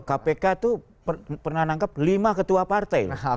kpk tuh pernah nangkep lima ketua partai